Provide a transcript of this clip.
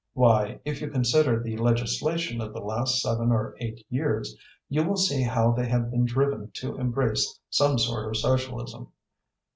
Why, if you consider the legislation of the last seven or eight years, you will see how they have been driven to embrace some sort of socialism.